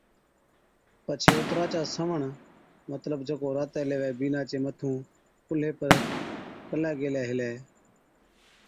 پڇي اُترا سَوَڻ مطلب جڪو راتي ليوي بِينڏا چي مَٿُون ڪَلي گيلي ھِلي